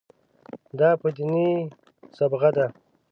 دا په دیني صبغه ده.